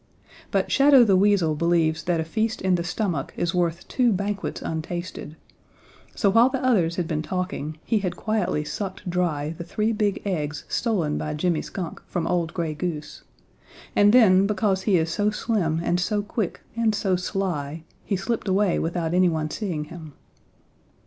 But Shadow the Weasel believes that a feast in the stomach is worth two banquets untasted, so while the others had been talking, he had quietly sucked dry the three big eggs stolen by Jimmy Skunk from old Gray Goose, and then because he is so slim and so quick and so sly, he slipped away without anyone seeing him.